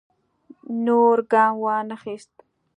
نور ګام وانه خیست.